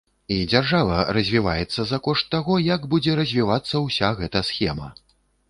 І дзяржава развіваецца за кошт таго, як будзе развівацца ўся гэта схема.